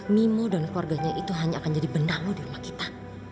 mimo dan keluarganya itu hanya akan jadi bendamu di rumah kita